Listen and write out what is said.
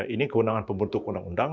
ini kewenangan pembentuk undang undang